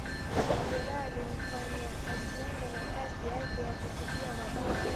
Majeraha yaliyomfanya asiende na kasi yake ya kutupia mabao